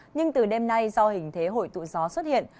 nhưng từ đêm nay do hình thế hội tụ gió xuất hiện